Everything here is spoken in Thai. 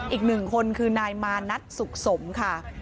อีกหนึ่งคนคือนายมานัทสุขสมค่ะ